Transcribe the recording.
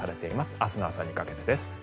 明日の朝にかけてです。